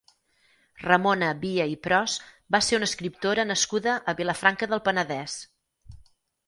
Ramona Via i Pros va ser una escriptora nascuda a Vilafranca del Penedès.